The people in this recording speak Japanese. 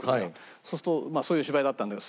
そうするとまあそういう芝居だったんだけど。